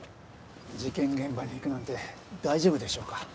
事件現場に行くなんて大丈夫でしょうか？